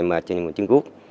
mà trên một chân gút